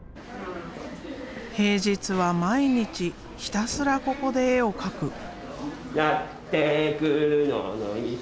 平日は毎日ひたすらここで絵を描く。